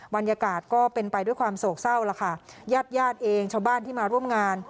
บรรยากาศก็เป็นไปด้วยความโศกเศร้าแล้วค่ะญาติญาติเองชาวบ้านที่มาร่วมงาน